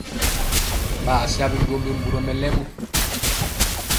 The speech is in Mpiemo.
Ɓaa sa binjombi mburɔ mɛlɛmɔ.